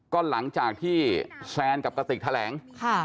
ก็หลังจากที่แซนกับกระติกแถลง